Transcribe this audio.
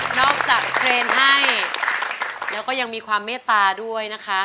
จากเทรนด์ให้แล้วก็ยังมีความเมตตาด้วยนะคะ